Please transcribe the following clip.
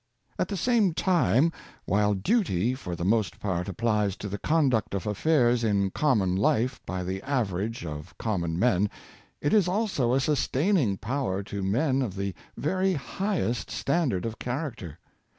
At the same time, while duty, for the most part,. applies to the conduct of affairs in common life by the average of common men, it is also a sustaining power to men of the very highest standard of character.